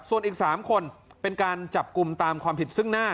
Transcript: ส่วนอีก๓คนเป็นการจับกลุ่มตามความผิดซึ่งหน้า